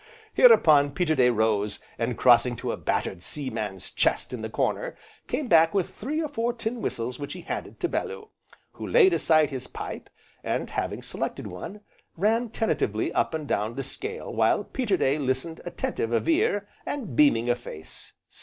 Hereupon, Peterday rose, and crossing to a battered sea man's chest in the corner, came back with three or four tin whistles which he handed to Bellew, who laid aside his pipe, and, having selected one, ran tentatively up and down the scale while Peterday listened attentive of ear, and beaming of face.